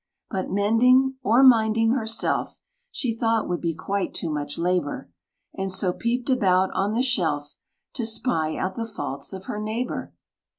But mending, or minding herself, She thought would be quite too much labor, And so peeped about on the shelf, To spy out the faults of her neighbor.